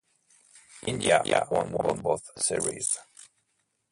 India won both series.